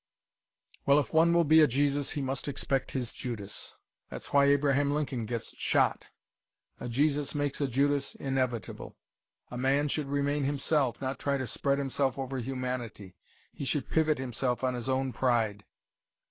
"Well, if one will be a Jesus he must expect his Judas. That's why Abraham Lincoln gets shot. A Jesus makes a Judas inevitable. A man should remain himself, not try to spread himself over humanity. He should pivot himself on his own pride.